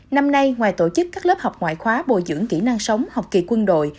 năm nay ngoài tổ chức các lớp học ngoại khóa bồi dưỡng kỹ năng sống học kỳ quân đội